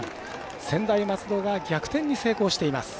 専大松戸が逆転に成功しています。